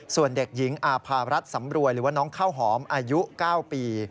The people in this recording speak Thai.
ส่วนเด็กหญิงอาภารัฐสำรวยหรือว่าน้องข้าวหอมอายุ๙ปี